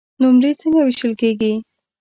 نمرې څنګه وېشل کیږي؟